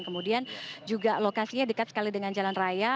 kemudian juga lokasinya dekat sekali dengan jalan raya